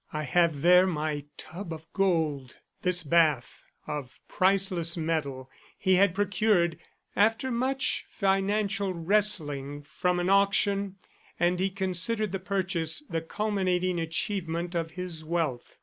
"I have there my tub of gold." This bath of priceless metal he had procured, after much financial wrestling, from an auction, and he considered the purchase the culminating achievement of his wealth.